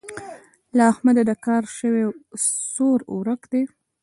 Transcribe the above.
له احمده د کار سوری ورک دی.